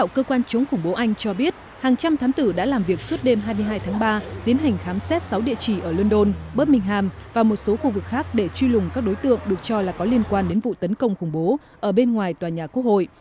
cảnh sát khủng bố anh cho biết hàng trăm thám tử đã làm việc suốt đêm hai mươi hai tháng ba tiến hành khám xét sáu địa chỉ ở london birmingham và một số khu vực khác để truy lùng các đối tượng được cho là có liên quan đến vụ tấn công khủng bố ở bên ngoài tòa nhà quốc hội